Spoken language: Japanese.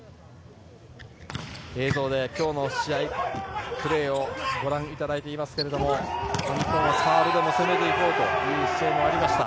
映像で今日の試合、プレーをご覧いただいていますけれども日本はサーブでも攻めていこうという姿勢がありました。